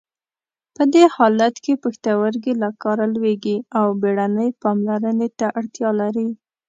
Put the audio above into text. په دې حالت کې پښتورګي له کاره لویږي او بیړنۍ پاملرنې ته اړتیا لري.